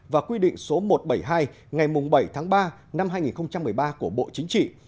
và quy định số một trăm bảy mươi hai ngày bảy tháng ba năm hai nghìn một mươi ba của bộ chính trị